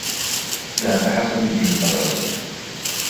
ذهب حسن إلى المدرسة.